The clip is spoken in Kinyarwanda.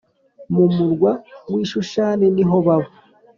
mu murwa w i Shushani niho baba